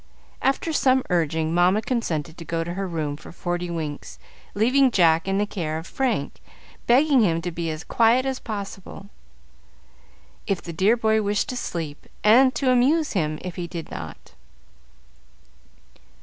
After some urging, Mamma consented to go to her room for forty winks, leaving Jack in the care of Frank, begging him to be as quiet as possible if the dear boy wished to sleep, and to amuse him if he did not.